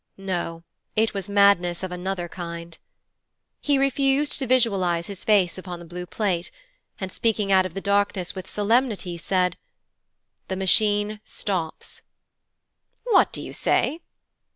No, it was madness of another kind. He refused to visualize his face upon the blue plate, and speaking out of the darkness with solemnity said: 'The Machine stops.' 'What do you say?'